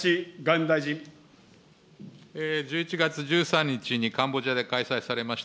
１１月１３日にカンボジアで開催されました